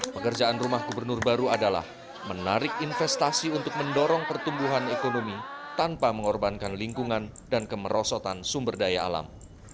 pekerjaan rumah gubernur baru adalah menarik investasi untuk mendorong pertumbuhan ekonomi tanpa mengorbankan lingkungan dan kemerosotan sumber daya alam